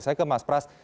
saya ke mas pras